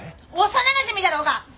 幼なじみだろうが！